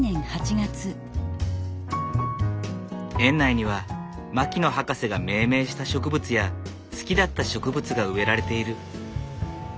園内には牧野博士が命名した植物や好きだった植物が植えられている。